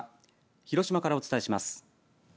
広島からお伝えします。